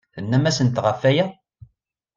Tennam-asent ɣef waya?